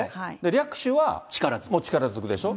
略取は、もう力ずくでしょ。